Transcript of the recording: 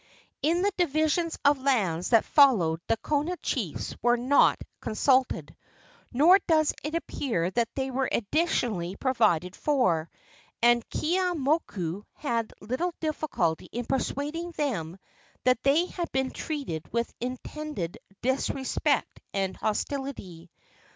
In the divisions of lands that followed the Kona chiefs were not consulted; nor does it appear that they were additionally provided for, and Keeaumoku had little difficulty in persuading them that they had been treated with intended disrespect and hostility.